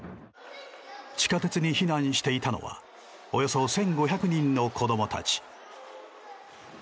地下鉄に避難していたのはおよそ１５００人の子供たち。